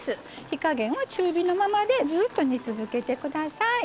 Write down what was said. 火加減は中火のままでずっと煮続けてください。